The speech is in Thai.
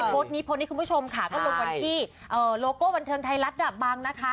โบสถ์นี้คุณผู้ชมค่ะก็ลงไปที่โลโก้บันเทิงไทยรัฐดับบังนะคะ